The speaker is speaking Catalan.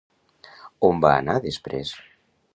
On va anar després?